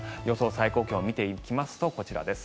最高気温を見ていきますとこちらです。